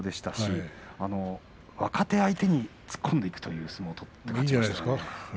若手を相手に突っ込んでいくという相撲を取りました。